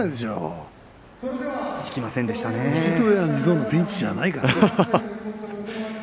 １度や２度のピンチじゃないから。